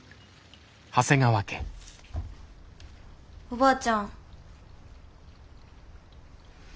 おばあちゃん。